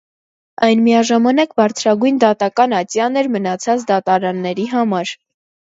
Այն միաժամանակ բարձրագույն դատական ատյան էր մնացած դատարանների համար։